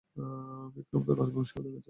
বিক্রম তো রাজবংশীয় ওদের কাছে।